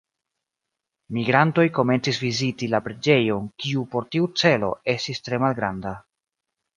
Migrantoj komencis viziti la preĝejon, kiu por tiu celo estis tre malgranda.